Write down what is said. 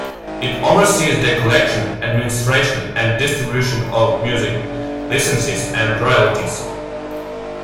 It oversees the collection, administration and distribution of music licenses and royalties.